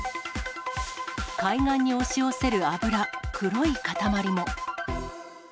海岸に押し寄せる油、黒い塊も。